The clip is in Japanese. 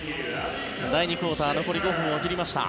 第２クオーター残り５分を切りました。